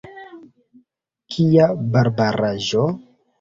Kia barbaraĵo!